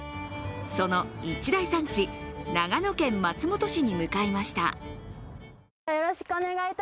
その一大産地長野県松本市に向かいました。